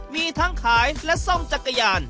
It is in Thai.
มีทั้งขายและซ่อมจักรยาน